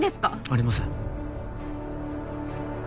ありません